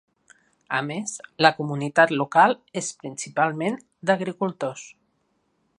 A més, la comunitat local és principalment d'agricultors.